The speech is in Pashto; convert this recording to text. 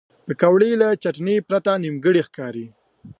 پکورې له چټنې پرته نیمګړې ښکاري